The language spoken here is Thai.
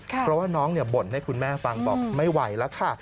เพราะว่าน้องบ่นให้คุณแม่ฟังบอกไม่ไหวแล้วค่ะ